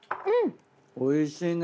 おいしいね。